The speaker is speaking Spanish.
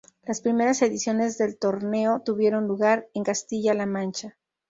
Las primeras ediciones del torneo tuvieron lugar en Castilla-La Mancha.